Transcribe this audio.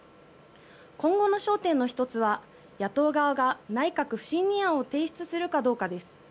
今後の焦点の１つは野党側が内閣不信任案を提出するかどうかです。